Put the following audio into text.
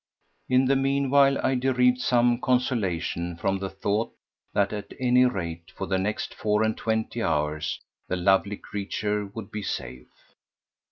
In the meanwhile I derived some consolation from the thought that at any rate for the next four and twenty hours the lovely creature would be safe.